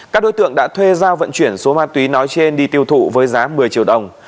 các đối tượng đã thuê giao vận chuyển số ma túy nói trên đi tiêu thụ với giá một mươi triệu đồng